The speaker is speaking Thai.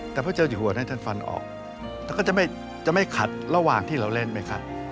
แต่พระเจ้าอยู่หัวให้ท่านฟันออกแล้วก็จะไม่ขัดระหว่างที่เราเล่นไม่ขัด